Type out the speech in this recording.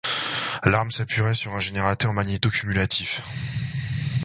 L'arme s'appuierait sur un générateur magnéto-cumulatif.